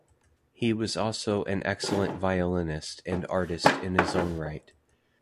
He was also an excellent violinist and artist in his own right.